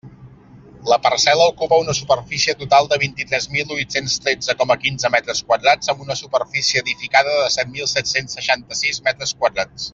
La parcel·la ocupa una superfície total de vint-i-tres mil huit-cents tretze coma quinze metres quadrats amb una superfície edificada de set mil set-cents seixanta-sis metres quadrats.